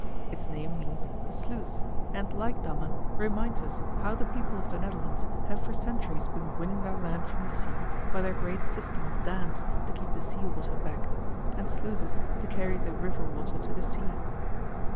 Its name means "the sluice," and, like Damme, reminds us how the people of the Netherlands have for centuries been winning their land from the sea by their great system of dams to keep the sea water back, and sluices to carry the river water to the sea.